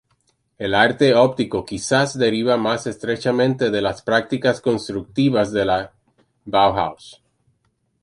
El arte óptico quizás deriva más estrechamente de las prácticas constructivistas de la Bauhaus.